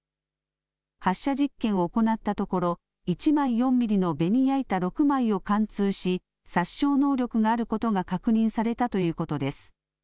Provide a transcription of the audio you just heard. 発射実験を行ったところ１枚４ミリのベニヤ板６枚を貫通し、殺傷能力があることが確認されたということです。